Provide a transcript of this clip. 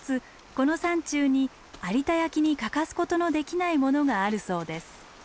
この山中に有田焼に欠かすことのできないものがあるそうです。